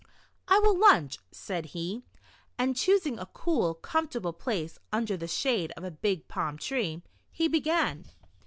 "I will lunch," said he, and choosing a cool, comfortable place under the shade of a big palm tree, he began.